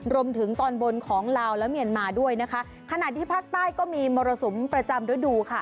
รวมถึงตอนบนของลาวและเมียนมาด้วยนะคะขณะที่ภาคใต้ก็มีมรสุมประจำฤดูค่ะ